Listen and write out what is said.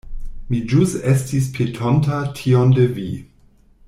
Mi ĵus estis petonta tion de vi.